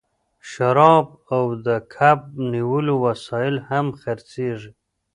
شراب او د کب نیولو وسایل هم خرڅیږي